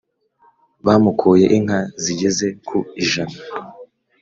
Bamukoye inka zigeze ku ijana